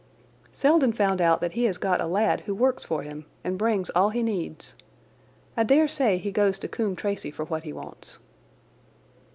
"Selden found out that he has got a lad who works for him and brings all he needs. I dare say he goes to Coombe Tracey for what he wants."